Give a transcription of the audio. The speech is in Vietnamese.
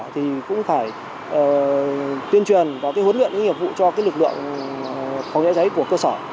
thì cũng phải tuyên truyền và huấn luyện những nhiệm vụ cho lực lượng phòng cháy cháy của cơ sở